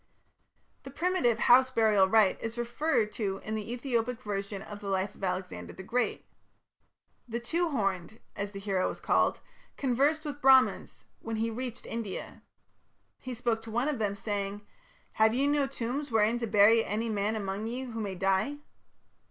The primitive house burial rite is referred to in the Ethiopic version of the life of Alexander the Great. The "Two horned", as the hero was called, conversed with Brahmans when he reached India. He spoke to one of them, "saying: 'Have ye no tombs wherein to bury any man among ye who may die?'